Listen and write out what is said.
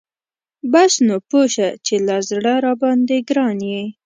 بس نو پوه شه چې له زړه راباندی ګران یي .